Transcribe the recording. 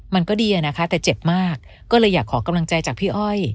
มันก็ดีอะนะคะแต่เจ็บมากก็เลยอยากขอกำลังใจจากพี่อ้อย